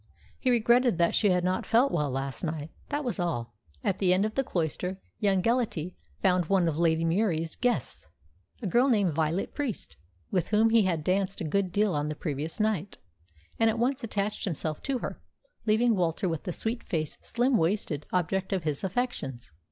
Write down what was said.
He regretted that she had not felt well last night that was all. At the end of the cloister young Gellatly found one of Lady Murie's guests, a girl named Violet Priest, with whom he had danced a good deal on the previous night, and at once attached himself to her, leaving Walter with the sweet faced, slim waisted object of his affections.